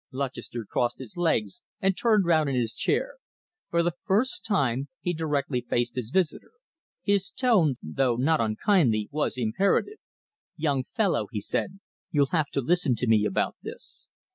Lutchester crossed his legs and turned round in his chair. For the first time he directly faced his visitor. His tone, though not unkindly, was imperative. "Young fellow," he said, "you'll have to listen to me about this."